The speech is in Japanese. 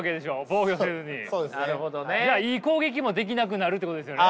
じゃあいい攻撃もできなくなるってことですよね？